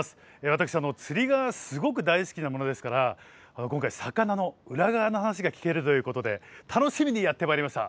私釣りがすごく大好きなものですから今回魚の裏側の話が聞けるということで楽しみにやって参りました。